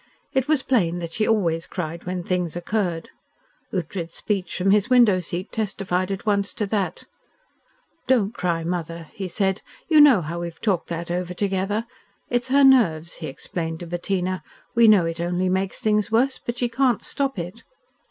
It was plain that she always cried when things occurred. Ughtred's speech from his window seat testified at once to that. "Don't cry, mother," he said. "You know how we've talked that over together. It's her nerves," he explained to Bettina. "We know it only makes things worse, but she can't stop it."